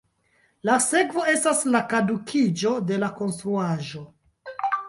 La sekvo estis la kadukiĝo de la konstruaĵoj.